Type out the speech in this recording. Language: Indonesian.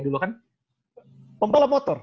dulu kan pembalap motor